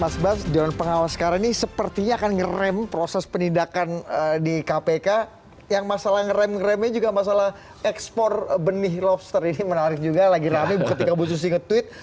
jalan pengawas sekarang